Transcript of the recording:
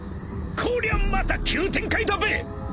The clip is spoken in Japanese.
［こりゃまた急展開だべ］